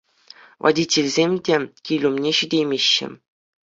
Водительсем те кил умне ҫитеймеҫҫӗ.